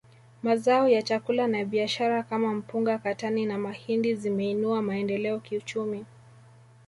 Mazao ya chakula na biashara kama mpunga katani na mahindi zimeinua maendeleo kiuchumi